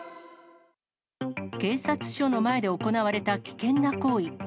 警察署の前で行われた危険な行為。